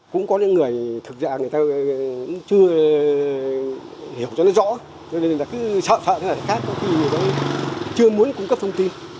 hiểu cho nó rõ nên là cứ sợ sợ thế là khác có khi nó chưa muốn cung cấp thông tin